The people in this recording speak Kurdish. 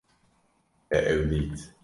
Te ew dît